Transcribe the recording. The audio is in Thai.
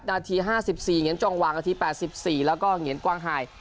นาที๕๔เหงียนจองวางนาที๘๔แล้วก็เหงียนกว้างหาย